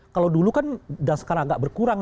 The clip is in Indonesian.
kalau dulu kan sekarang agak berkurang